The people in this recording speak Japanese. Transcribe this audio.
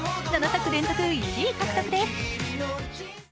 ７作連続１位獲得です。